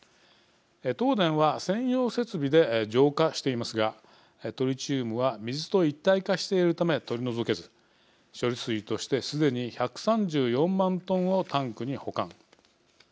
東電は専用設備で浄化していますがトリチウムは水と一体化しているため取り除けず処理水としてすでに１３４万トンをタンクに保管。